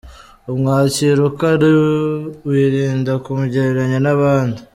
Umwakira uko ari wirinda kumugereranya n’abandi.